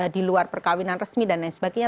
di luar perkawinan resmi dan lain sebagainya